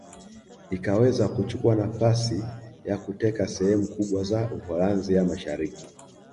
Ikaweza kuchukua nafasi ya kuteka sehemu kubwa za Uholanzi ya Mashariki